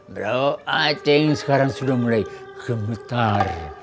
bro acing sekarang sudah mulai gemetar